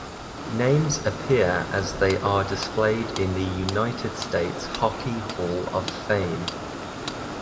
Names appear as they are displayed in the United States Hockey Hall of Fame.